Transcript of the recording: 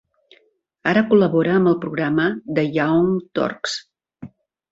Ara col·labora amb el programa The Young Turks.